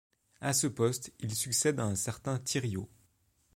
À ce poste, il succède à un certain Thiriot.